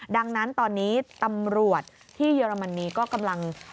ดังนั้นตอนนี้ตำรวจที่เยอรมนีก็กำลัง